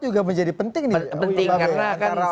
juga menjadi penting nih